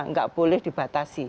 nggak boleh dibatasi